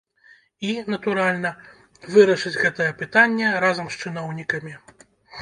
І, натуральна, вырашыць гэтае пытанне разам з чыноўнікамі.